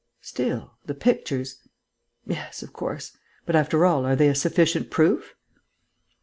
"Still, the pictures?..." "Yes, of course. But, after all, are they a sufficient proof?"